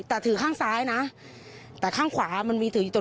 แต่ถือข้างซ้ายนะแต่ข้างขวามันมีถืออยู่ตรง